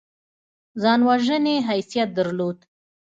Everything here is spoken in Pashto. ځان وژنې حیثیت درلود.